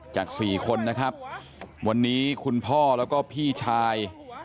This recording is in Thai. จาก๔คนนะครับวันนี้คุณพ่อแล้วก็พี่ชาย